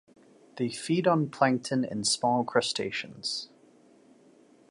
They feed on plankton and small crustaceans.